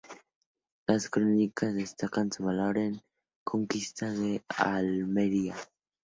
Las crónicas destacan su valor en la conquista de Almería.